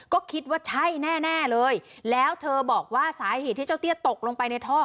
ก็คิดว่าใช่แน่แน่เลยแล้วเธอบอกว่าสาเหตุที่เจ้าเตี้ยตกลงไปในท่อ